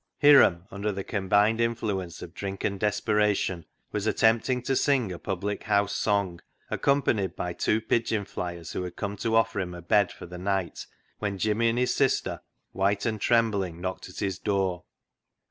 Hiram, under the combined influence of drink and desperation, was attempting to sing a public house song, accompanied by two pigeon fliers who had come to offer him a bed for the night, when Jimmy and his sister, white and trembling, knocked at his door.